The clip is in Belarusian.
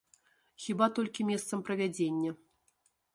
Хіба толькі месцам правядзення.